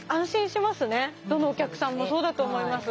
どのお客さんもそうだと思います。